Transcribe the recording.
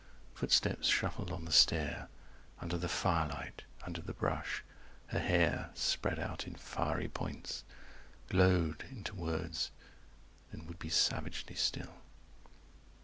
Footsteps shuffled on the stair, Under the firelight, under the brush, her hair Spread out in fiery points Glowed into words, then would be savagely still.